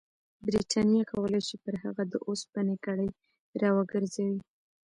برټانیه کولای شي پر هغه د اوسپنې کړۍ راوګرځوي.